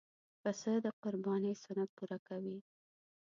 پسه د قربانۍ سنت پوره کوي.